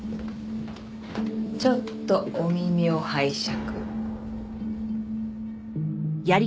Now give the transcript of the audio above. ちょっとお耳を拝借。